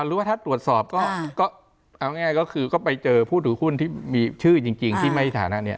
หรือว่าถ้าตรวจสอบก็เอาง่ายก็คือก็ไปเจอผู้ถือหุ้นที่มีชื่อจริงที่ไม่ฐานะนี้